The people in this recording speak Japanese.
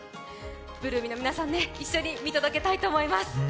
８ＬＯＯＭＹの皆さんと一緒に見届けたいと思います。